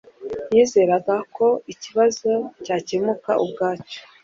Yizeraga ko ikibazo cyakemuka ubwacyo